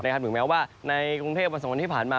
ถึงแม้ว่าในกรุงเทพวัน๒วันที่ผ่านมา